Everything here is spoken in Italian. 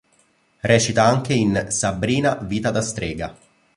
Recita anche in "Sabrina, vita da strega".